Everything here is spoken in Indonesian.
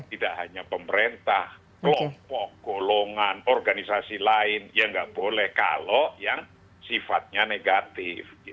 tidak hanya pemerintah kelompok golongan organisasi lain ya nggak boleh kalau yang sifatnya negatif